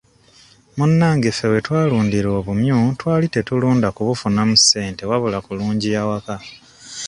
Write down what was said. Munnange ffe we twalundira obumyu twali tetulunda kubufunamu ssente wabula kulungiya waka.